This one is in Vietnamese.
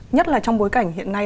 nhất là trong bối cảnh hiện nay